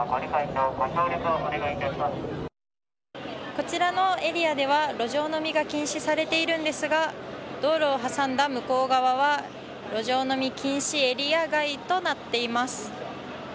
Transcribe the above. こちらのエリアでは路上飲みが禁止されていますが道路を挟んだ向こう側は路上飲み禁止エリア外となっています。